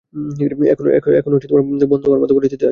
এখনও বন্ধু হওয়ার মতো পরিস্থিতি আসেনি।